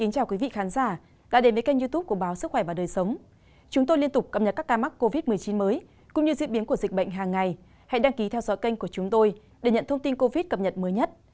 các bạn hãy đăng ký kênh của chúng tôi để nhận thông tin cập nhật mới nhất